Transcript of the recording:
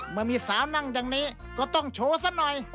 เมื่อมีสาวนั่งอย่างนี้ก็ต้องโชว์ซะหน่อย